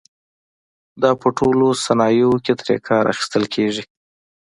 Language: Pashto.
دا په ټولو صنایعو کې ترې کار اخیستل کېږي.